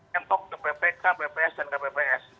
nyetok ke ppk bps dan kpps